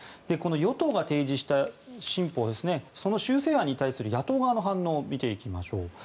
与党が提示した新法その修正案に対する野党側の反応見ていきましょう。